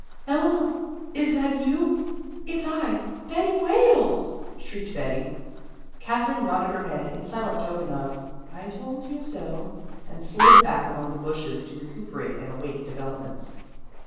"Eleanor, is that you? It's I Betty Wales!" shrieked Betty. Katherine nodded her head in silent token of "I told you so," and slid back among the bushes to recuperate and await developments.